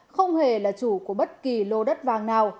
không hề là chủ của bất kỳ lô đất vàng nào